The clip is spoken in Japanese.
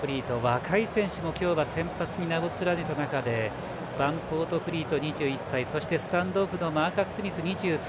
若い選手も先発に今日は名を連ねた中でバンポートフリート、２１歳そして、スタンドオフのマーカス・スミス、２３歳。